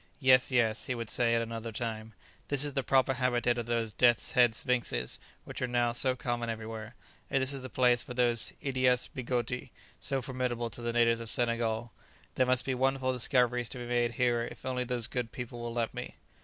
"Yes, yes;" he would say at another time, "this is the proper habitat of those death's head sphinxes which are now so common everywhere; and this is the place for those 'Idias Bigoti,' so formidable to the natives of Senegal. There must be wonderful discoveries to be made here if only those good people will let me."